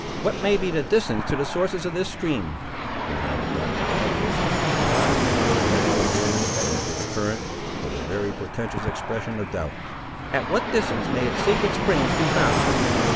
"What may be the distance to the sources of this stream?" demanded Doctor Battius, whose eyes were rolling over the whirling eddies of the current, with a very portentous expression of doubt. "At what distance may its secret springs be found?"